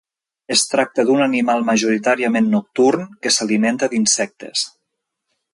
Es tracta d'un animal majoritàriament nocturn que s'alimenta d'insectes.